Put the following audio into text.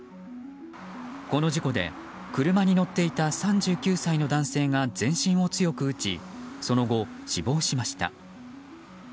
この事故で、車に乗っていた３９歳の男性が全身を強く打ちその後、死亡しました。